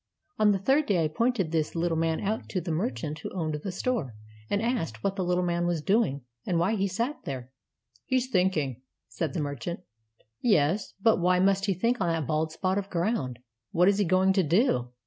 On the third day I pointed this little man out to the merchant who owned the store, and asked what the little man was doing and why he sat there. "He's thinking," said the merchant. "Yes; but why must he think on that bald spot of ground? What is he going to do?"